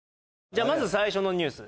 じゃあまず最初のニュース